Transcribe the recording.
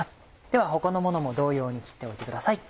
では他のものも同様に切っておいてください。